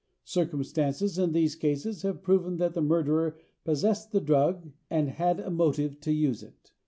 Circumstances in these cases have proven that the murderer possessed the drug and had a motive to use it.